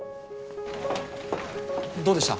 どうでした？